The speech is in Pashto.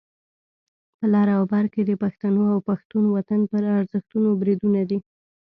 په لر او بر کې د پښتنو او پښتون وطن پر ارزښتونو بریدونه دي.